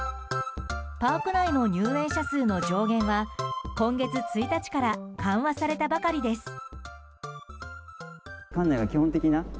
パーク内の入園者数の上限は今月１日から緩和されたばかりです。